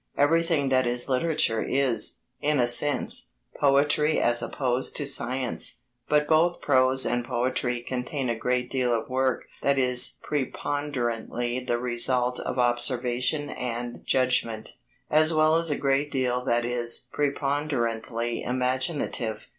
Everything that is literature is, in a sense, poetry as opposed to science; but both prose and poetry contain a great deal of work that is preponderantly the result of observation and judgment, as well as a great deal that is preponderantly imaginative.